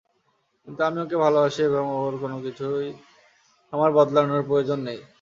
কিন্ত আমি ওকে ভালোবাসি এবং ওর কোনোকিছুই আমার বদলানোর প্রয়োজন নেই।